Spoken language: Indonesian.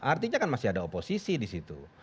artinya kan masih ada oposisi di situ